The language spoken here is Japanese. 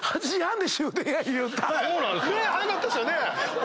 早かったっすよね。